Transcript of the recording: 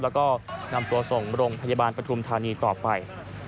แล้วก็นำตัวส่งโรงพยาบาลปฐุมธานีต่อไป